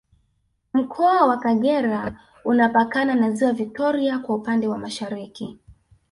Mkoa wa Kagera unapakana na Ziwa Victoria kwa upande wa Mashariki